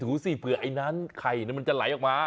ดูสิเผื่อไอ้นั้นไข่มันจะไหลออกมา